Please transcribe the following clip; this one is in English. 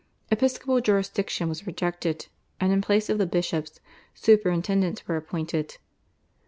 Episcopal jurisdiction was rejected, and in place of the bishops, superintendents were appointed.